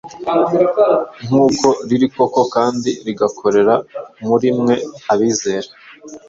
nk’uko riri koko, kandi rigakorera muri mwe abizera.”